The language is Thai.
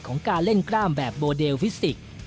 ของการเล่นกล้ามแบบโบเดลฟิสิกส์